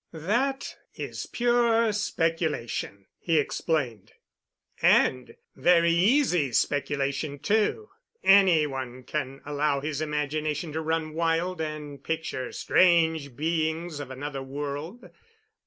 "That is pure speculation," he explained. "And very easy speculation, too. Any one can allow his imagination to run wild and picture strange beings of another world.